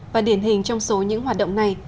và điển hình trong số những hoạt động này